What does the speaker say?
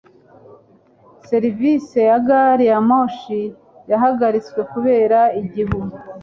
Serivise ya gari ya moshi yahagaritswe kubera igihu.